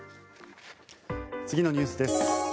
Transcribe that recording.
次のニュースです。